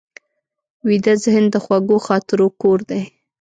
ویده ذهن د خوږو خاطرو کور دی